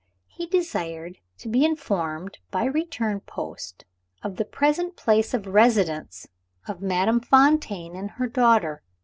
He desired to be informed, by return of post, of the present place of residence of Madame Fontaine and her daughter.